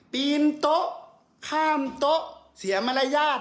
ปีนโต๊ะข้ามโต๊ะเสียมารยาท